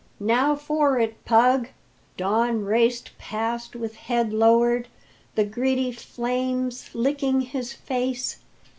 "Now for it, Pug!" Don raced past with head lowered, the greedy flames licking his face.